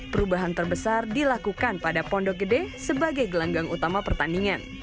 perubahan terbesar dilakukan pada pondok gede sebagai gelanggang utama pertandingan